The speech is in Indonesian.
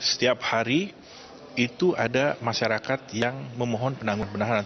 setiap hari itu ada masyarakat yang memohon penangguhan penahanan